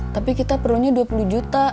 tapi kita perlunya dua puluh juta